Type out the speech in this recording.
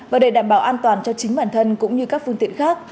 và để đảm bảo an toàn cho chính bản thân cũng như các phương tiện khác